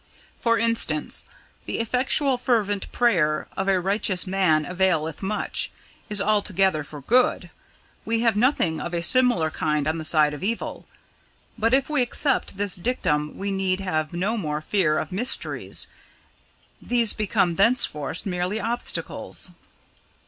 For instance, 'the effectual fervent prayer of a righteous man availeth much' is altogether for good. We have nothing of a similar kind on the side of evil. But if we accept this dictum we need have no more fear of 'mysteries': these become thenceforth merely obstacles."